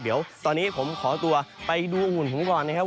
เดี๋ยวตอนนี้ผมขอตัวไปดูอุ่นผมก่อนนะครับ